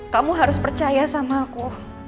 kamu harus percaya sama aku